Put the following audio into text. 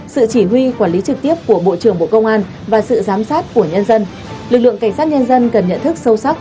sự chỉ huy quản lý trực tiếp của bộ trưởng bộ công an và sự giám sát của nhân dân lực lượng cảnh sát nhân dân cần nhận thức sâu sắc